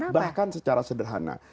bahkan secara sederhana